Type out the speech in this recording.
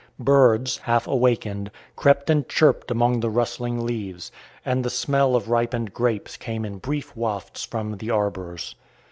Birds, half awakened, crept and chirped among the rustling leaves, and the smell of ripened grapes came in brief wafts from the arbours.